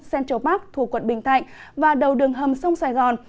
central park thuộc quận bình thạnh và đầu đường hầm sông sài gòn